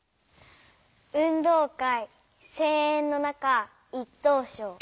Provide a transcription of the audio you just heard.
「運動会声援の中一等賞」。